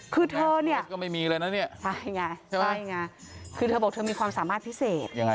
คือเธอเนี่ยคือเธอบอกเธอมีความสามารถพิเศษ